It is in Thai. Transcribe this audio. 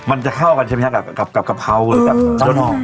มันจะเข้ากันใช่มั้ยกับกะเพราหรือกับจอหนอก